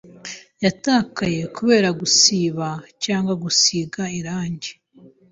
yatakaye kubera gusiba cyangwa gusiga irangi